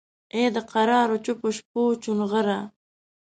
ای دکرارو چوپو شپو چونغره!